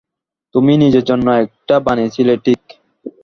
তুমি নিজের জন্য একটা বানিয়েছিলে, ঠিক?